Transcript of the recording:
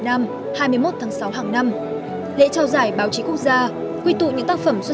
năm hai mươi một tháng sáu hàng năm lễ trao giải báo chí quốc gia quy tụ những tác phẩm xuất